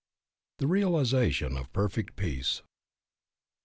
THE REALIZATION OF PERFECT PEACE.